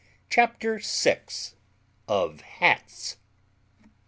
CHAPTER SIX OF HATS.